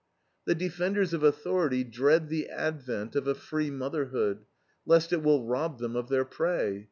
The defenders of authority dread the advent of a free motherhood, lest it will rob them of their prey.